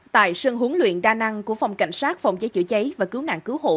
tại sân huấn luyện đa năng của phòng cảnh sát phòng cháy chữa cháy và cứu nạn cứu hộ